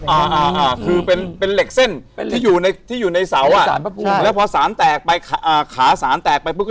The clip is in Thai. อ่าคือเป็นเหล็กเส้นที่อยู่ในเสาร์อ่ะแล้วพอสารแตกไปขาสารแตกไป